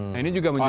nah ini juga menjadi